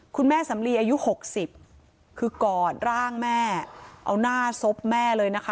คุณแม่สำลีอายุหกสิบคือกอดร่างแม่เอาหน้าศพแม่เลยนะคะ